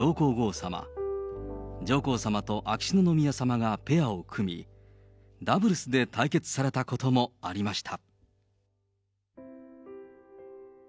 天皇陛下と上皇后さま、上皇さまと秋篠宮さまがペアを組み、ダブルスで対決されたこともありました。